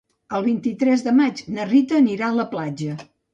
El vint-i-tres de maig na Rita anirà a la platja.